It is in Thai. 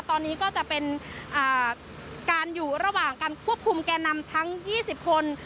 ตอนนี้ก็จะเป็นการอยู่ระหว่างการควบคุมแก่นำทั้ง๒๐คน